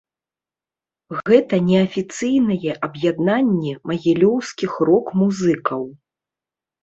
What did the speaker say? Гэта неафіцыйнае аб'яднанне магілёўскіх рок-музыкаў.